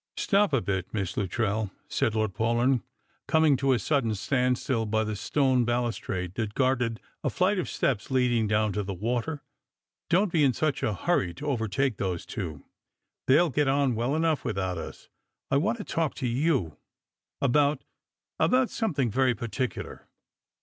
" Stop a bit. Miss Luttrell," said Lord Paulyn, coming to a Budden standstill by the stone balustrade that guarded a flight Strangcrs and Pilgrims. 18i of steps leading down to the water. " Don't be in such a hurry to overtake those two ; they'll get on well enough without us. I want to talk to you — about — about something very particular."